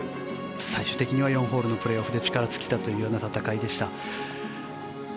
最終的にはプレーオフで力尽きたという戦いでした。